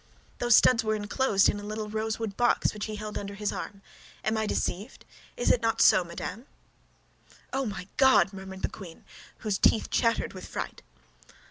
Those studs were enclosed in a little rosewood box which he held under his arm? Am I deceived? Is it not so, madame?" "Oh, my God, my God!" murmured the queen, whose teeth chattered with fright.